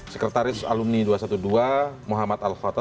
sekretaris alumni dua ratus dua belas muhammad al khotot